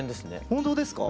本当ですか？